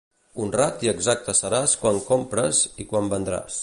Honrat i exacte seràs quan compres i quan vendràs.